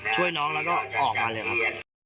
ช่วยน้องแล้วก็ออกมาเลยครับ